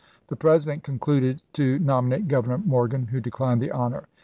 The President concluded to nominate Governor Morgan, who declined the honor.